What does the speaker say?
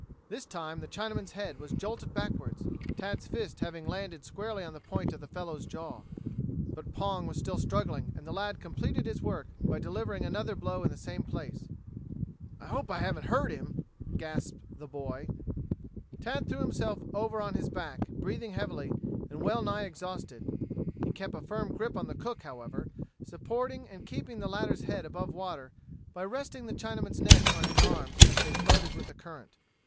This time the Chinaman's head was jolted backwards, Tad's fist having landed squarely on the point of the fellow's jaw. But Pong was still struggling, and the lad completed his work by delivering another blow in the same place. "I hope I haven't hurt him," gasped the boy. Tad threw himself over on his back, breathing heavily and well nigh exhausted. He kept a firm grip on the cook, however, supporting and keeping the latter's head above water by resting the Chinaman's neck on his arm as they floated with the current.